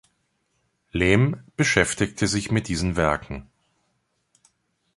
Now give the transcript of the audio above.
Lem beschäftigte sich mit diesen Werken.